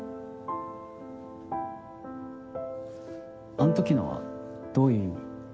あん時のはどういう意味？